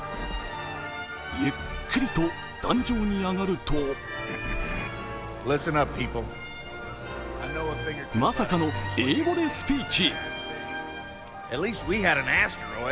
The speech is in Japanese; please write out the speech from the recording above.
ゆっくりと壇上に上がるとまさかの英語でスピーチ！